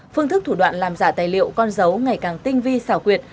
phương thức thủ đoạn làm giả tài liệu con dấu ngày càng tinh vi xảo quyệt